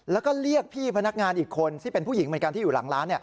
แล้วก็เรียกพี่พนักงานอีกคนที่เป็นผู้หญิงเหมือนกันที่อยู่หลังร้าน